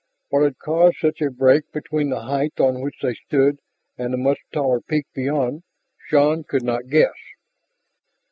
What had caused such a break between the height on which they stood and the much taller peak beyond, Shann could not guess.